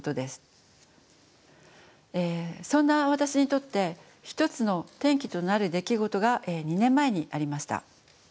そんな私にとって一つの転機となる出来事が２年前にありました。